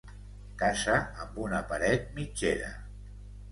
Casa amb una paret mitgera.